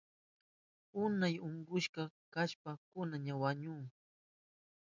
Unay unkushka kashpan kunan ña wañuhun